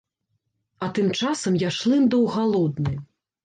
А тым часам я шлындаў галодны.